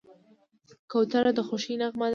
کوتره د خوښۍ نغمه لري.